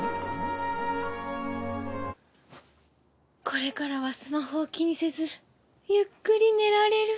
これからはスマホを気にせずゆっくり寝られる。